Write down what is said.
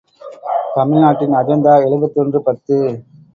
தமிழ் நாட்டின் அஜந்தா எழுபத்தொன்று பத்து.